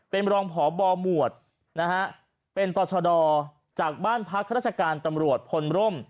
เป็นรองพบหมวดนะฮะเป็นต่อชะดอจากบ้านพักราชการตำรวจพลร่ม